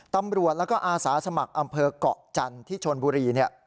ตำรวจและอาสาสมัครอำเภอกเกาะจันทร์ที่ชนบุรี